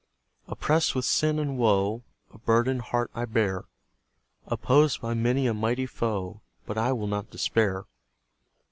Oppressed with sin and woe, A burdened heart I bear, Opposed by many a mighty foe; But I will not despair.